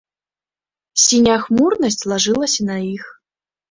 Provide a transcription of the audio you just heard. Сіняя хмурнасць лажылася на іх.